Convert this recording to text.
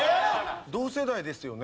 同世代ですよね？